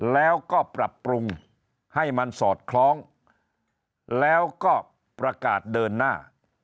แล้วก็ปรับปรุงให้มันสอดคล้องแล้วก็ประกาศเดินหน้า